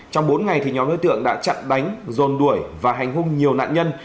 trong bốn ngày thì nhóm đối tượng đã chặn đánh dồn đuổi và hành hung nhiều nạn nhân